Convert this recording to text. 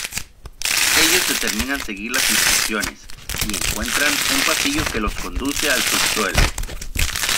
Ellos determinan seguir las instrucciones, y encuentran un pasillo que los conduce al subsuelo.